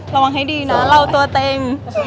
ระวังให้ดีนะเราตัวเต็ม